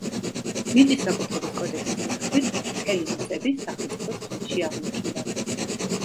მიწის საკუთრების კოდექსის მიხედვით, მთელი მიწები სახელმწიფოს ხელში აღმოჩნდა.